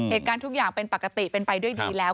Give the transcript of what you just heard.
เหตุการณ์ทุกอย่างเป็นปกติเป็นไปด้วยดีแล้ว